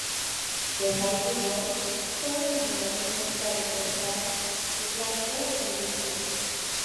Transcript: The Hype Bros fueron eliminados más tarde por Heath Slater y Rhyno.